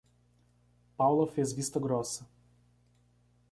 Paula fez vista grossa.